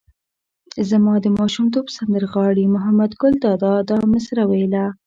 زما د ماشومتوب سندر غاړي محمد ګل دادا دا مسره ویله.